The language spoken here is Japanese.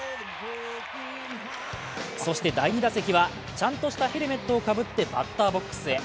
そして第２打席はちゃんとしたヘルメットをかぶってバッターボックスへ。